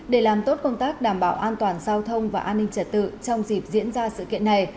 để làm tốt công tác đảm bảo an toàn giao thông và an ninh trật tự trong dịp diễn ra sự kiện này